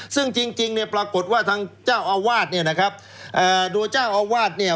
ซึ่งจริงจริงเนี่ยปรากฏว่าทางเจ้าอาวาสเนี่ยนะครับเอ่อโดยเจ้าอาวาสเนี่ย